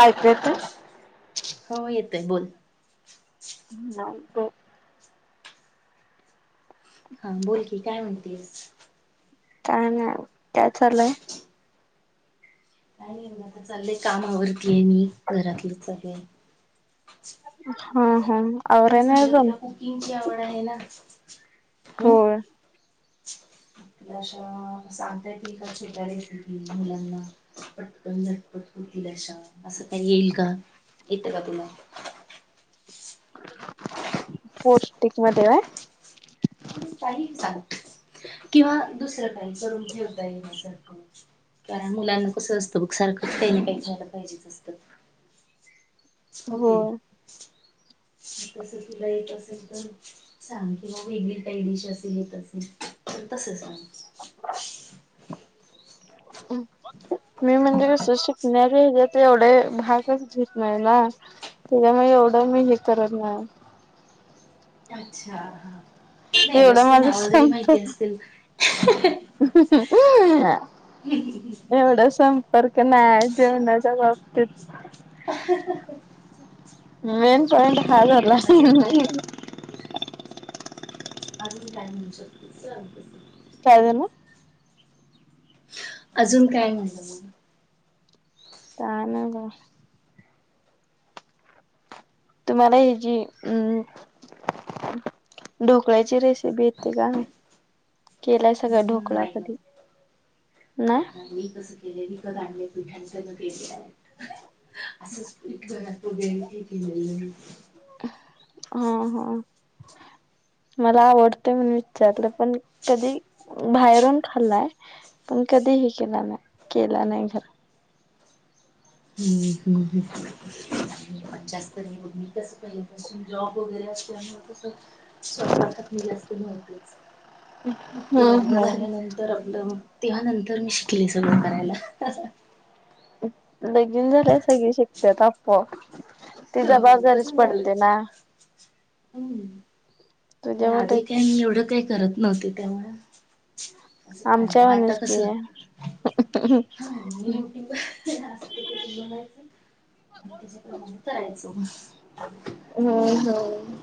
[unintelligible] येतोय? हो येतोय बोल. [unintelligible] हो हा बोल की ही काय म्हणतेस? काय नाय वो काय चाललंय? काई नाई चाललंय काम आवरतीय मी घरातल चालू आहे. हा हा आवराय तेच नाही म्हणलं रूम तुला कुकिंगची आवड आहे ना. [inaudible] व्हय आपल्याशा सांगताय ती का छोट्या रेसिपी मुलांना पटकन झटपट होतील अशा असं का येईल का? येतं का तुला. [inaudible] पौष्टिक मध्ये अ काही सांग किंवा दुसरं काही करून ठेवता येण्यासारखं कारण मुलांना कसं असतं बघ सारखंच काही ना काही ख्यायला पाहिजेच असत. हो की होय तस तुला येत असेल तर सांग किंवा वेगळी काही डिश असेेल येत असेल तसं सांग. [inaudible] मी म्हणजे कस शिकण्या हच्यात एवढे भागच घेत नाही ना. त्याच्यामुळे एवढं मी हे करत नाही. अच्छा हा नाही एवढं नुसती माझ नावं जरी संपत माहिती असतील एवढं संप फरक नाही जेवणाच्या बाबतीत [unintelligible] मेन पॉइंट बरं मग अजून काय [unintelligible] अजून काय म्हणू शकते सांग तस. काय देणार. अजून काय म्हणलं मग कायना बा तुम्हाला ही जी उम्म ढोकळ्याची रेसिपी येते का? केल्या सगळा हम्म, ढोकळा नाही ना कधी नाही मी कसं केलं मी विकत आणल पीठांच मग ते केलेय. असंच पीठ जगात [unintelligible] हा हा मला आवडतेंय म्हणु विचारलं. पण कधी बाहेरून खाल्लाय पण कधी हे केला नाही केला नाही घरात. हम्म हम्म हम्म मी पण जास्त मी कस पहिल्यापासून जॉब वगैरे असल्यामुळे कसं स्वतपाकात नेल असते नव्हते. मग ते हम्म लग्न हम्म झाल्यानंतर आपलं. तेव्हा नंतर मी शिकले सगळं करायला. लगीन झाल्या सगळे शिकतात आपोआ ति ज हो बाजारीच पडते ना. हम्. त्यामुळे तुझ्यामध्ये आधी काय मी एवढं काय करत. नव्हती त्यामुळे अस ख आमच्या माट वाणीच की कस म हम्म यट्यूबत बयच आणि त्याच्याप्रमाणे करायचं. हम्म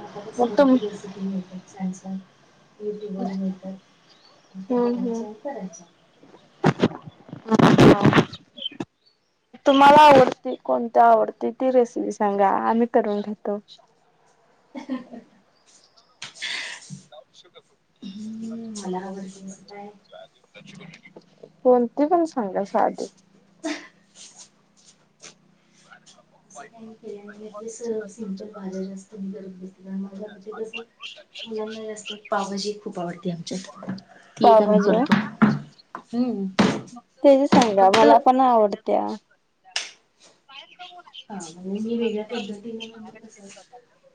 आता कस मग तुम भरपूर रेसिपी मिळतात छान [unintelligible] युट्यूब वरून मिळतात त्या हम्म हम्म बघायच्या आणि करायच्या तुम्हाला आवडती कोणत्या आवडती ती रेसिपी सांगा आम्ही करून घेतो. ह. [unintelligible] हम् मला ह वर काय? कोती पण हांग साध. के स सिमपल भाज्या जास्त मी करत. स मुलांना जास्त पाभजी खूप आवडते आमच्यात ती एक आम्ही पावभाजी करतो हम् फक्त त्या हा म्हणजे मी वेगळ्या पद्धतीने म्हणतो कस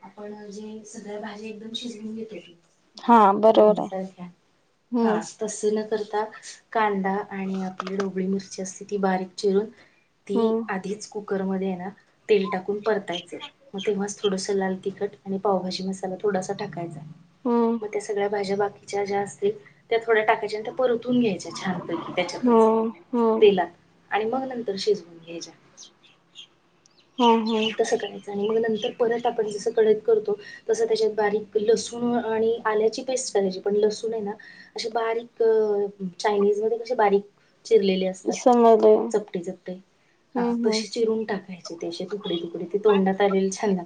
आपण जे सगळ्या भाजी एकदम शिजवून घेत होती. हा बरोबर आहे सारख्या हम्म हा तस न करता. कांदा आणि आपले डोबळी मिस अस ती बारीक चिरून ती हम्म आधीच खूप. मध्ये [inaudible] तेल टाकून परतायचे मग तेव्हाच थोडस लाल. तिखट आणि पावभाी मसाला थोडासा टाकायचा आहे. हम्म मग त्या सगळ्या भाज्या बाकी च्या जास्ती त्याच थोड्या टाकायच्या आणि त्या परतून घ्यायच्या छानपैकी त्याच्यातच हम्म हम्म तेलात आणि मग नंतर शिजवून घ्यायचे जे तसं करायचं आणि मग नंतर परत आपण जसं कडईत करतो तस त्याच्यात बारीक लसूण आणि आल्याची पेस्ट करायची पण लसूण आहे ना अशी बारीक चायनीज मध्ये कसे बारीक चिरलेले असतात समजले चपटे, चपटे हा हम्म तसे हम्म चिरून टाकायचे त्या तु तोडात आलेले छान लाग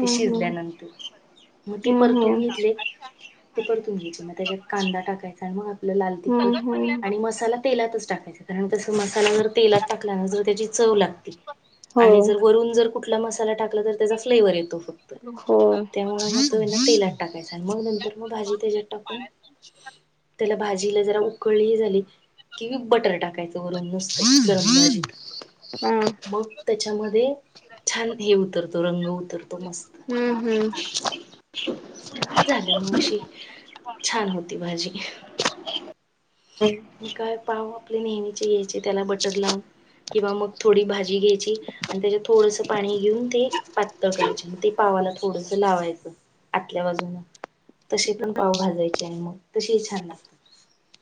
ते हम्म शिजल्यानंतर मग ते परतून हम्म घेतले ते परतून घ्यायचे मग त्याच्यात कांदा टाकायचा आणि मग आपलं लाल हम्म तिखट हम्म हम्म आणि मसाला तेलातच टाकायचं कारण कसं मसाला जर तेलात टकल्यान जर त्याची चव लागते ती होय आणि जर वरून जर कुट कुठला मसाला टाकला तर त्याचा फ्लेवर येतो होय त्यामुळे मग तो हे ना तेलात टाकायचा मग नंतर भाजी त्याच्यात टाकून त्याला भाजीला जरा उकळली हे झाली कि बटर टाक टाकायचं वरून नुसतं गरम भाजीत हा मग त्यांच्या मध्ये छान हे उतरतो रंग उतरतो मस्त हम्म हम्म म झालं मग अशी छान होती भाजी म काय पाव आपले नेहमीचे घायचे त्याला बटर लावून किंवा मग थोडी भाजी भाजी घ्यायची आणि त्यांच्यात थोडस पाणी घेऊन ते पातळ करायचे मग ते पावाला थोडस लावायचं आतल्या बाजून तसे पण पाव भाजायचे आणि मग तशे ही छान लागतात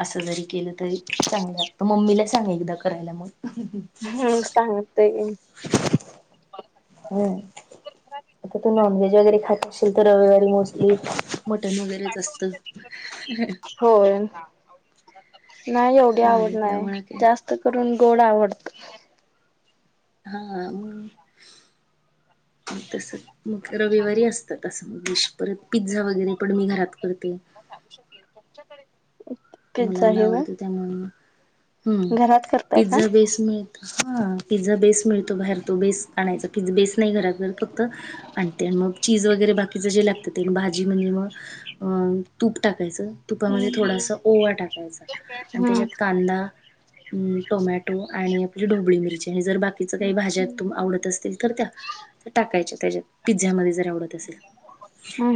असं जरी केलं तरी चांगलं लागत मम्मीला सांग एकदा करायला मग ह सांग ते घेईन हम आता तू मा नॉनव्हेज वगैरे खातं असतीलं तर रविवारी मोस्टली मटन वगैरेच असतं होय [unintelligible] नाही एंवढी हा आवड ना नाही त्यामुळे काय जास्त करून गोड आवड हा म तसं मग रविवारी असतं तसं मग डिश परत पिझ्झा वगैरे पण मी घरात करते [unintelligible] पिझ्झा मुलांना हे व्हय आवडतं त्यामुळे म हम घरात करतायसा पिझ्झा बेस मिळत हा पिझ्झा बेस मिळतो बाहेर तो बेस आणायचा. बेस नाही घरात फक्त आणते मग चीज वगैरे बाकीच जे लागतं ते भाजी म्हणजे म तूप टाकायचं तुपा मध्ये हम्म थोडासा ओवा टाकायचा आणि हम्म त्याच्यात कांदा टोमॅटो आणि आपली ढोबळी मिरची जर बाकिचं आणि काही भाज्या तूम आवडत असतीलं तर त्या टाकायच्या त्याच्यात पिझझ्यामध्ये जर आवडत असेलं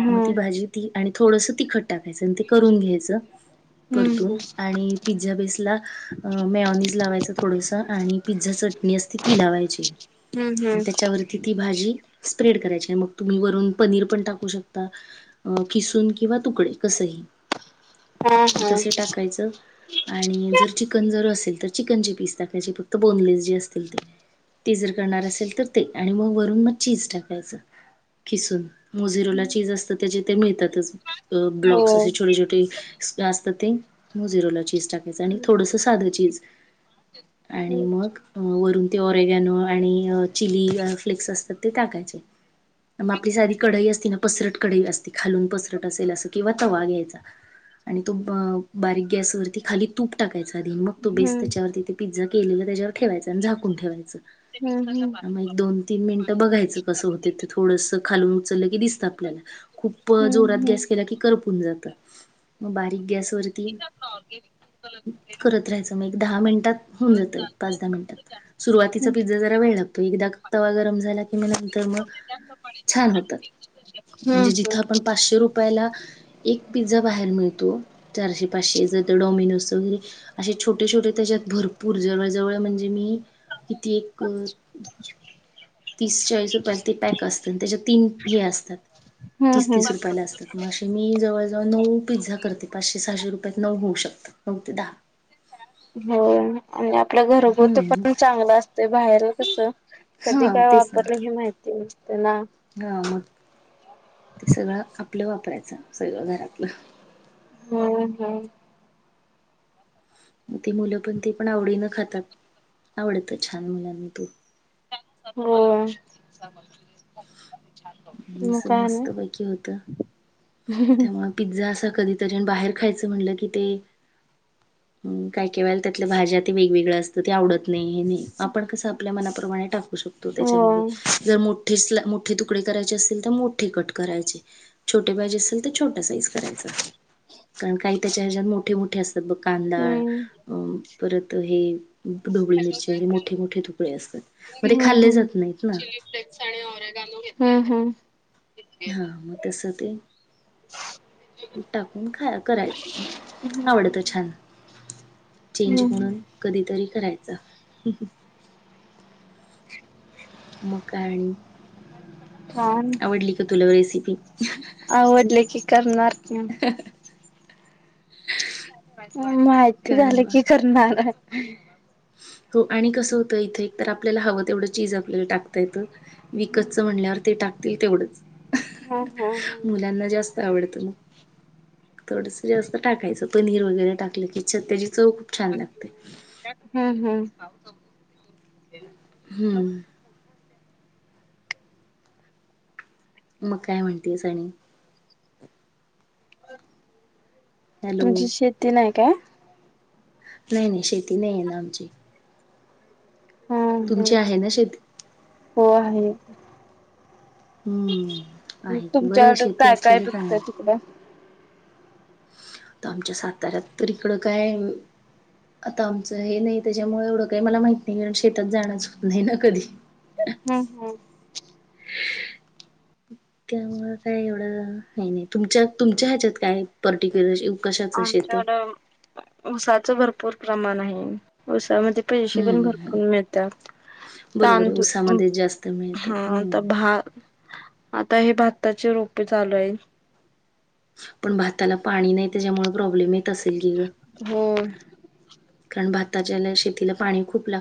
त म भाजी ती आणि थोडंसं तिखट टाक. फेसन ते करून घ्यायचं परतून आणि पिझ्झा बेसला मेवोनिज लावायच थोडस आणि पिझ्झा चटणी असते ती लावायची त्याच्यावरती ती भा जी स्प्रेड करायची मग तुम्ही वरून पनीर पण टाकू शकता. खिसुन किंवा तुकडे कसं हि. तसे टाकायचं आणि जर चिकन जर असेल तर चिकनचे पीस टाकायचे फक्त बोनलेस जे असतील ते ते जर करणार असेल तर ते आणि मग वरून मग चीज टाकायच खिसून मोजे रोलाचीज असत त्याचे ते मिळतातच. अ ब्लॉक्स असे छोटे छोटे जास्त ते मुजेरोलाचीज. टाकायचं आणि थोडस साधं चीज. आणि मग वरू ते ओरेगॅनो आणि चिली फ्लेक्स असतात ते टाकायचे मग आपली साधी कढई असती ना पसरट कढई असते खालून पसरट असेल असं किंवा तवा घ्यायचा. आणि तो ब बारीक गॅसवररती खाली तूप टाक यच आणि मग तो बेस त्याच्यावरती पिझ्झ केलेलं त्याच्यावर ठेवायचं आणि झाकून ठेवायचं. मग एक दोन तीन मिनिटं बघायचं कसं होते ते थोडसं. खालून उचललं की दिसत आपल्यला. खूप जोरात गॅस केला की करप पन [unintelligible] जातात. मग बारीक गॅस तर तीन करत राहायचं म दहा मिनटात होऊन जातय पाच दहा मिनटात सुरवातीचा पिझ्झा जरा वेळ लागतो. एकदा तवा गरम झाला कि नंतर मग छान होतात. म्हणजे जिथं आपण पाचशे रुपयाला एक पिझ्झा बाहेर मिळ तो चारशे पाचशे च त डोमिनोसचा असे छोटे छोटे त्याच्यात भरपूर जवळ जवळ म्हणजे मी किती एक तीस चाळीस रुपयाला ते पॅक असतं त्याच्या तीन हे असतात तीस तीस रुपयाला असतात म अशे मी जवळ ज नऊ पिझ्झा ते पाचशे सहाशे रुपयात नऊ होऊ शकतात नऊ ते दहा. हो आणि आत. आपलं घरगोत [unintelligible] हम्म पण चांगलं असते बाहेरून. अससं. कधी हा काय तेच ना वापरलं हे माहितीे नई. हा मग ते सगळं आपल्या वाप. वापरायच सगळं घरातलं. हम्म हम्म. मग ते मुलं पण ते पण आवडीनं खातात आवडीतं छान मुलांना ते. हो. मग अस काय ना मस्त पैकी होत. त्यामुळे पिझ्झा असं कधीतरीण बाहेर खायचं म्हणलं की ते अम्म काय केवळ त्यातल्या भाज्या ते वेगवेगळ असतं ते आवडत नाही. ते नाही आपण कस आपल्या मनाप्रमाणे टाकू शकतो हो त्याच्यामध्ये ज मग पिस ला मोठे तुकडे करायचे असतील तर मोठे कट करायचे छ छोट पाहिजे असेल तर छोट्या साईज करायच कारण काही त्याच्या ह्याच्या मोठे मोठे अस. त ब कांदा हम्म. अ परत हे. ढोबळी [unintelligible] मिरची वगैरे मोठे मोठे तुकडे असतात अ मग ते खाल्ले हम्म जात नाहीत ना चीली फ्लेक्स आणि ऑरेगानू घेतला हम्म हम्म. हा मग तस ते टाकून खाया करायचं आवडत छान चेंज हम्म म्हणून कधीतरी कराय च [unintelligible] मग काय आण आवडली का तुला रेसिपी. [unintelligible] आवडली की. [unintelligible] करनार [unintelligible] माहिती कारण झालं की करणार. [inaudible] तो हो आणि कसं होतं इथे एक तर आपल्याला हवं तेवढं चीज आपल्याला टाकता येतं. विकतच म्हणल्यावर ते टाकतील. तेवढंच. हा हा. मुलांना जास्त आवडतं. थोडस जास्त टाकायचं पनीर वगैरे टाकलं की च त्याजी चव खूप छान लागते. हम्म हम्म हम्म. मग काय म्हणतेस आणि.. [inaudible] हॅलो [unintelligible] काय नाही नाही शेती नाही आहे ना आमची. हा हा. तुमची आहे ना शेती. हो आहे हम्म आहे बरं आहे तुमच्याकडे शेती काय काय असलेलं चांगलं पिकतं आहे. तिकडं? आता आमच्या साताऱ्यात तर इकडं काय आता आमचं हे नाही त्याच्यामुळे एवढं काही मला माहित नाही कारण शेतात जाणच होत नाही ना कधी... हम्म हम्म त्यामुळे काय एवढं काय नाही तुमच्या तुमच्या ह्याच्यात कायआहे पर्टिक्युलर.... कशाच शेत आहे? आमच्याड उस भरपूर प्रमाण आहे पैसे पण हम्म हम्म भरपूर मिळतात बरोबर आहे तांदूळ उसामध्ये जास्त हा मिळतात हम्म. आता भात आता हे भात आताचे रोपे झालूय पण भाताला पाणी नाही त्याच्यामुळे प्रॉब्लेम य की ग हो कारण भ शेतीला पाणी खूप लागत